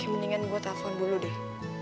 oke mendingan gue telfon dulu deh